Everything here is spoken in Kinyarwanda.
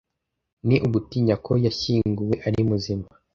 ni ugutinya ko Yashyinguwe ari Muzima